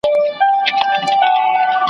چي اسلام وي د طلا بلا نیولی ,